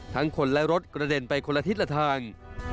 คนและรถกระเด็นไปคนละทิศละทาง